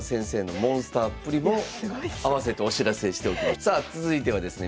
あとさあ続いてはですね